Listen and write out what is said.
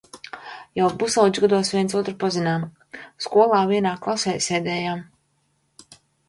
Jau pusaudžu gados viens otru pazinām, skolā vienā klasē sēdējām.